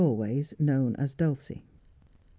j known as Dulcie.